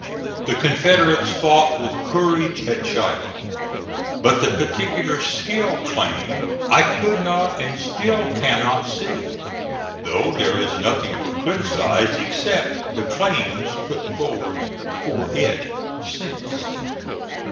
The Confederates fought with courage at Shiloh, but the particular skill claimed I could not and still cannot see; though there is nothing to criticise except the claims put forward for it since.